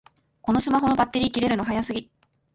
このスマホのバッテリー切れるの早すぎ